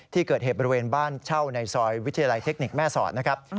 ที่เกิดเหตุบริเวณบ้านเช่าในซอยวิทยาลัยเทคนิคแม่สอดนะครับ